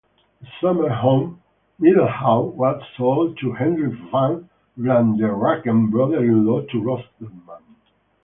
The summer home "Middelhout" was sold to Hendrik van Vladeracken, brother-in-law to Rosterman.